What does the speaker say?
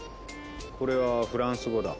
これはフランス語だ。